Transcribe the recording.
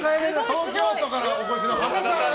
東京都からお越しの羽田さん